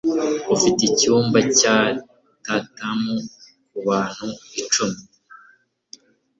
Ufite icyumba cya tatami kubantu icumi?